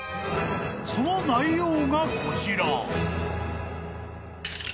［その内容がこちら］